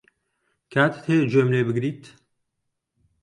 کاتت هەیە گوێم لێ بگریت؟